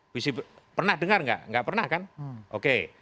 visi pernah dengar gak gak pernah kan oke